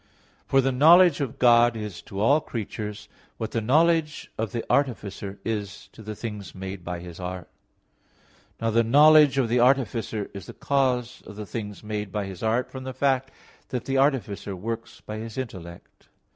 For the knowledge of God is to all creatures what the knowledge of the artificer is to things made by his art. Now the knowledge of the artificer is the cause of the things made by his art from the fact that the artificer works by his intellect.